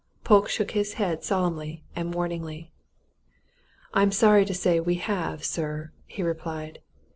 Polke shook his head solemnly and warningly. "I'm sorry to say we have, sir," he replied.